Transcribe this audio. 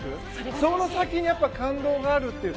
その先に感動があるっていう。